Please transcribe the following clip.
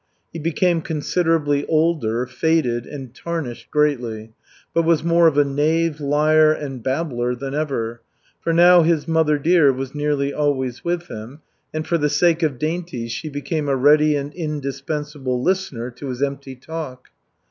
He became considerably older, faded and tarnished greatly, but was more of a knave, liar and babbler than ever, for now his "mother dear" was nearly always with him, and for the sake of dainties, she became a ready and indispensable listener to his empty talk.